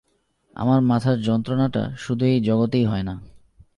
আমার মাথার যন্ত্রণাটা শুধু এই জগতেই হয় না।